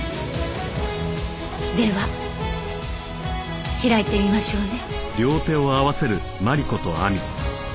では開いてみましょうね。